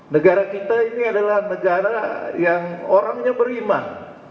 negara kita ini adalah negara yang orangnya beriman